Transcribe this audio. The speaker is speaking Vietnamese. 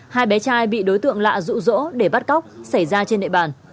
hai bé trai bị đối tượng lạ rụ rỗ để bắt cóc xảy ra trên địa bàn